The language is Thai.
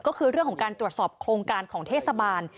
ก็คือเรื่องของการตรวจสอบโครงการของเทศบาล